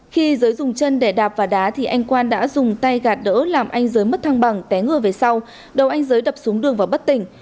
khi giới dùng chân để đạp vào đá thì anh quang đã dùng tay gạt đỡ làm anh giới mất thăng bằng té ngừa về sau đầu anh giới đập xuống đường và bất tỉnh